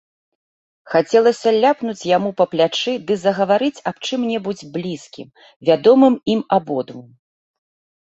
Хацелася ляпнуць яму па плячы ды загаварыць аб чым-небудзь блізкім, вядомым ім абодвум.